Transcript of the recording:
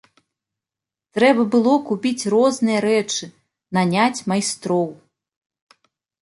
Трэба было купіць розныя рэчы, наняць майстроў.